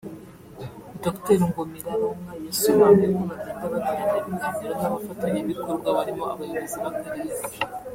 Dr Ngomiraronka yasobanuye ko bagenda bagirana ibiganiro n’abafatanyabikorwa barimo abayobozi b’akarere